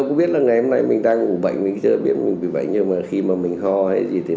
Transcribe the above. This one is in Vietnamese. chứ ngày hôm nay mình đang ngủ bệnh mình chưa biết mình bị bệnh nhưng mà khi mà mình ho hay gì thì